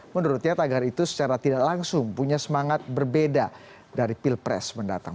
menurutnya tagar itu secara tidak langsung punya semangat berbeda dari pilpres mendatang